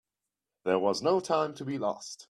There was no time to be lost.